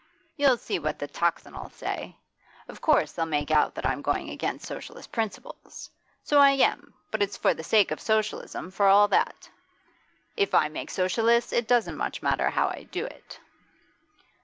You'll see what the "Tocsin" 'll say. Of course they'll make out that I'm going against Socialist principles. So I am, but it's for the sake of Socialism for all that. If I make Socialists, it doesn't much matter how I do it.